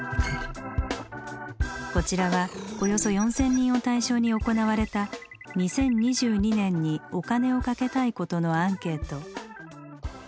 こちらはおよそ４，０００人を対象に行われた「２０２２年にお金をかけたいこと」のアンケート。